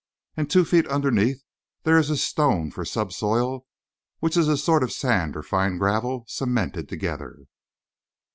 "And two feet underneath there is a stone for subsoil which is a sort of sand or fine gravel cemented together."